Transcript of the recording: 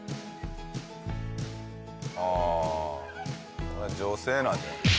ああ女性なんじゃない？